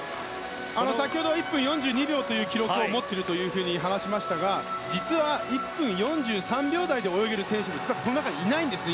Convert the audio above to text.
先ほどは１分４２秒という記録を持っていると話しましたが実は１分４３秒台で泳げる選手がいないんですね